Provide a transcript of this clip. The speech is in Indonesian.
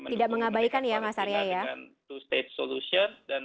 tidak mengabaikan ya mas arya ya